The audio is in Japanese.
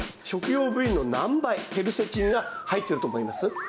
食用部位の何倍ケルセチンが入っていると思います？